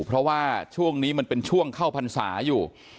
เพราะว่าช่วงนี้มันเป็นช่วงเข้าพรรษาอยู่